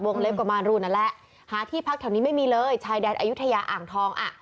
เล็บก็มารูนนั่นแหละหาที่พักแถวนี้ไม่มีเลยชายแดนอายุทยาอ่างทองอ่ะ